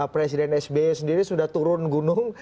presiden sby sendiri sudah turun gunung